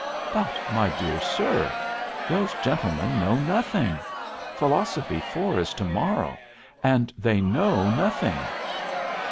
"But, my dear sir, those gentlemen know nothing! Philosophy 4 is tomorrow, and they know nothing."